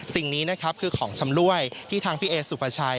สิ่งนี้นะครับคือของชำรวยที่ทางพี่เอสุภาชัย